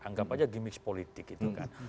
anggap aja gimmick politik gitu kan